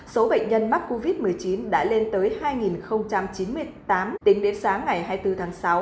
số bệnh nhân mắc covid một mươi chín đã lên tới hai chín mươi tám tính đến sáng ngày hai mươi bốn tháng sáu